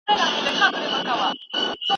ایا ته په خپلې څيړني کي له استاد څخه راضي یې؟